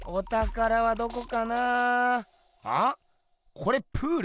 これプール？